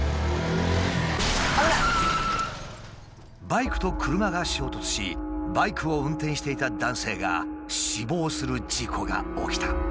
バイクと車が衝突しバイクを運転していた男性が死亡する事故が起きた。